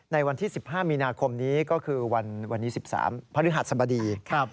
ในวันที่๑๕มีนาคมนี้ก็คือวันนี้๑๓พฤหัสสบดี